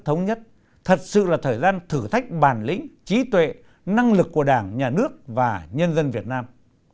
thật sự là thời gian thử thách bàn lĩnh trí tuệ năng lực của đảng nhà nước và nhân dân việt nam